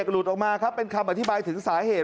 หลุดออกมาครับเป็นคำอธิบายถึงสาเหตุ